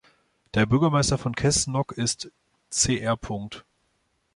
Der Bürgermeister von Cessnock ist Cr.